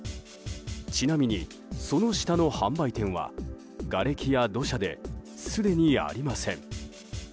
ちなみに、その下の販売店はがれきや土砂ですでにありません。